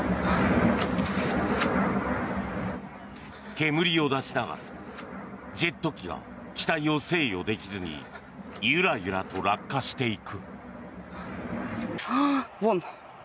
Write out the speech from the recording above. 煙を出しながらジェット機が機体を制御できずにゆらゆらと落下していく。